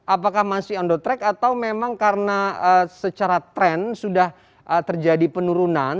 apakah masih on the track atau memang karena secara tren sudah terjadi penurunan